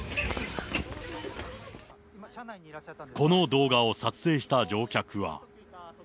この動画を撮影した乗客は。